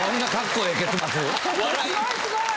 ⁉すごいすごい！